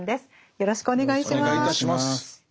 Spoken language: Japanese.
よろしくお願いします。